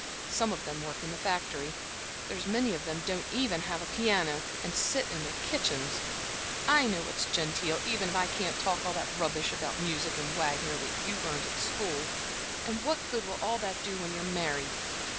Some of them work in the factory, there's many of them don't even have a piano and sit in their kitchens. I know what's genteel, even if I can't talk all that rubbish about music and Wagner that you learned at school. And what good will all that do you when you're married?